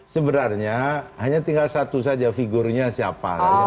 sebenarnya hanya tinggal satu saja figurnya siapa